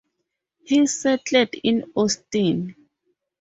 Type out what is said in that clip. He settled in Austin.